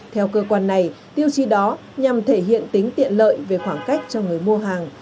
theo cơ quan này tiêu chí đó nhằm thể hiện tính tiện lợi về khoảng cách cho người mua hàng